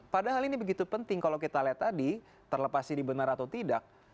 padahal ini begitu penting kalau kita lihat tadi terlepas ini benar atau tidak